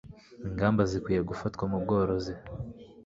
Ingamba zikwiye gufatwa mu bworozi